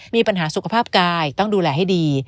มีปัญหาสุขภาพกายต้องดูแลให้ดี